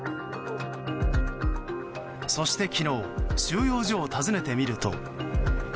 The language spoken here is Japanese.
そして、昨日収容所を訪ねてみると。